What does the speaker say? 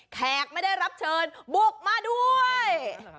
แขกไม่ได้รับเชิญบุกมาด้วย